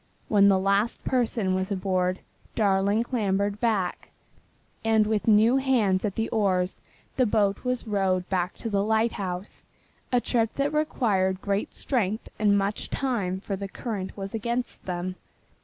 When the last person was aboard Darling clambered back, and with new hands at the oars the boat was rowed back to the lighthouse a trip that required great strength and much time for the current was against them.